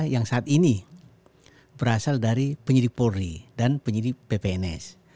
yang saat ini berasal dari penyidik polri dan penyidik ppns